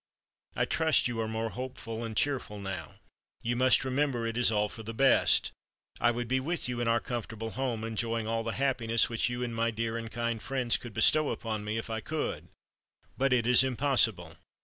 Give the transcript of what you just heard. I trust you are more hopeful and cheerful now. You must remember it is all for the best. I would be with you in our comfortable home, enjoying all the happiness which you and my dear and kind friends could bestow upon me, if I could. But it is impossible.